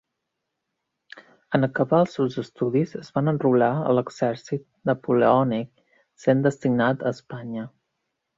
En acabar els seus estudis es va enrolar a l'exèrcit napoleònic, sent destinat a Espanya.